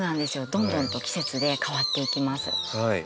どんどんと季節で変わっていきます。